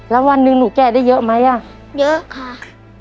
แล้ววันหนึ่งหนูแก่ได้เยอะไหมอ่ะเยอะค่ะ